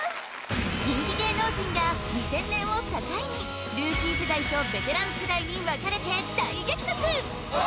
人気芸能人が２０００年を境にルーキー世代とベテラン世代に分かれて大激突俺！